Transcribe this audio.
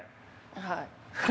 はい。